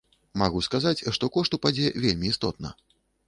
Магу сказаць, што кошт упадзе вельмі істотна.